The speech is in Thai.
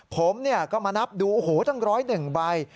ผมก็มานับดู๑๐๑ใบ